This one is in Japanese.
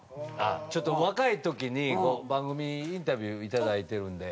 ちょっと若い時に番組インタビューいただいてるんで。